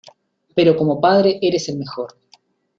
pero como padre eres el mejor.